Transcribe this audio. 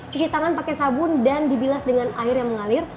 cuci tangan pakai sabun dan dibilas dengan air yang mengalir